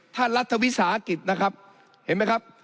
รัฐวิสาหกิจนะครับเห็นไหมครับ